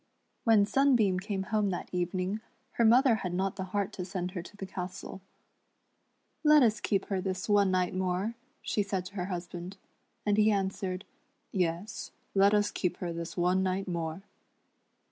When Sunbeam came home that evening her mother had not the heart to send her to the castle. "Let us keep her this one night more," she said to her husband ; and he answered, " Yes, let us keep her this one night more."